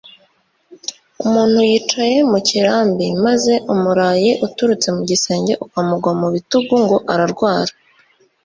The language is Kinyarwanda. Umuntu yicaye mu kirambi, maze umurayi uturutse mu gisenge ukamugwa mu bitugu ,ngo ararwara